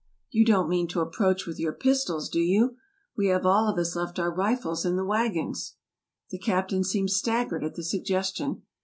"You don't mean to 'approach ' with your pistols, do you ? We have all of us left our rifles in the wagons. " The captain seemed staggered at the suggestion.